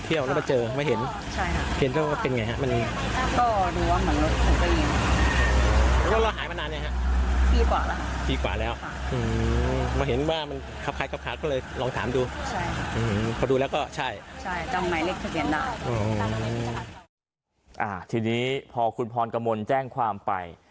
ทีนี้พอคุณพรกมลแจ้งความไป